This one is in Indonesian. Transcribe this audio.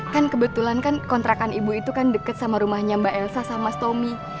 kan kebetulan kan kontrakan ibu itu kan dekat sama rumahnya mbak elsa sama stomy